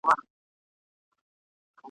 ته چي صبر کړې غرور پکښي څرګند دی ..